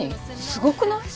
すごくない？